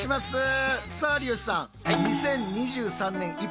さあ有吉さん